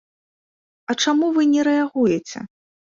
А чаму вы не рэагуеце?